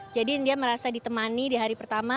jadi dia merasa ditemani di hari pertama